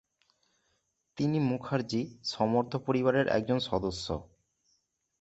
তিনি মুখার্জী-সমর্থ পরিবারের একজন সদস্য।